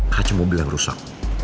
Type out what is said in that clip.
kacau mobil yang rusak